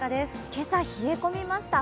今朝、冷え込みました。